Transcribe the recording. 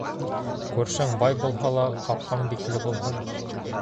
Күршең бай булһа ла, ҡапҡаң бикле булһын.